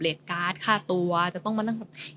การ์ดฆ่าตัวจะต้องมานั่งแบบ